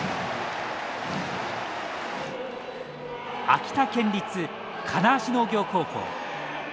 秋田県立金足農業高校。